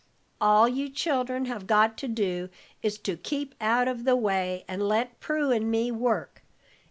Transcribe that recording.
All you children have got to do is to keep out of the way, and let Prue and me work.